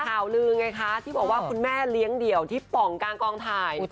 ข่าวลือไงคะที่บอกว่าคุณแม่เลี้ยงเดี่ยวที่ป่องกลางกองถ่าย